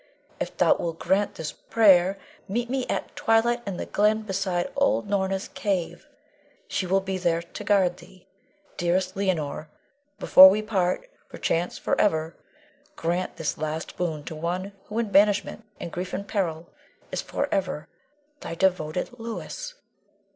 If thou wilt grant this prayer, meet me at twilight in the glen beside old Norna's cave. She will be there to guard thee. Dearest Leonore, before we part, perchance forever, grant this last boon to one who in banishment, in grief and peril, is forever thy devoted Louis.